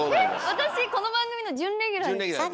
私この番組の準レギュラーですか？